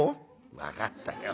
「分かったよ。